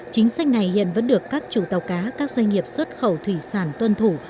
chính sách này hiện vẫn được các chủ tàu cá các doanh nghiệp xuất khẩu thủy sản tuân thủ